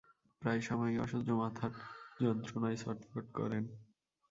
প্রায় সময়ই অসহ্য মাথার যন্ত্রণায় ছটফট করেন।